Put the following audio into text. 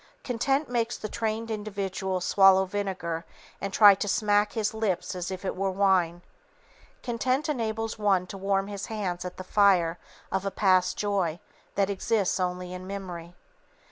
Content makes the trained individual swallow vinegar and try to smack his lips as if it were wine. Content enables one to warm his hands at the fire of a past joy that exists only in memory.